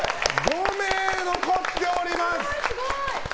５名残っております。